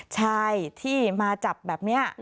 ชายที่มาจับแบบนี้